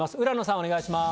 お願いします。